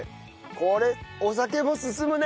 これお酒も進むね